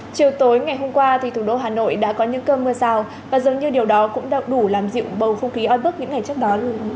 chiều tối ngày hôm qua thì thủ đô hà nội đã có những cơn mưa rào và dường như điều đó cũng đau đủ làm dịu bầu không khí oi bức những ngày trước đó